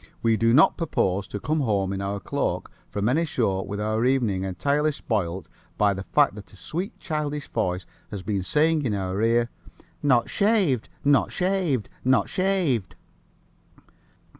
We do not purpose to come home in our cloak from any show with our evening entirely spoiled by the fact that a sweet childish voice has been saying in our ear, "Not shaved! Not shaved! Not shaved!"